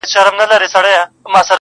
هېر ور څه مضمون دی او تفسیر خبري نه کوي,